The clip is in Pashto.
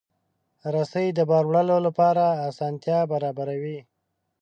رسۍ د بار وړلو لپاره اسانتیا برابروي.